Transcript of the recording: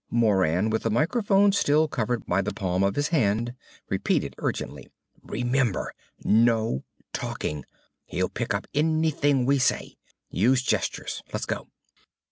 Moran, with the microphone still covered by the palm of his hand, repeated urgently; "Remember, no talking! He'll pick up anything we say. Use gestures. Let's go!"